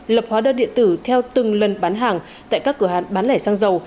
lập hóa đơn điện tử theo từng lần bán hàng tại các cửa hàng bán lẻ xăng dầu